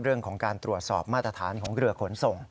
เรื่องของการตรวจสอบมาตรฐานของเรือขนส่ง